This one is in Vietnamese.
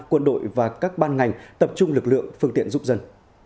quân đội và các ban ngành tập trung lực lượng phương tiện giúp dân